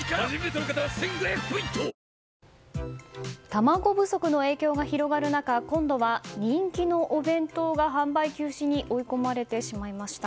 卵不足の影響が広がる中今度は、人気のお弁当が販売休止に追い込まれてしまいました。